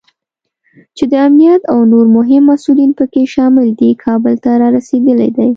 چې د امنیت او نور مهم مسوولین پکې شامل دي، کابل ته رارسېدلی دی